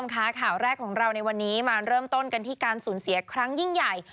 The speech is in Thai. ค่ะข่าวแรกของเราในวันนี้มาเริ่มต้นกันที่การสูญเสียครั้งยิ่งใหญ่